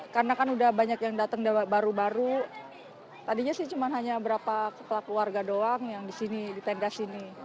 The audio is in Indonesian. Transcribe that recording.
karena kan sudah banyak yang datang baru baru tadinya sih cuma hanya beberapa keluarga doang yang di sini di tenda sini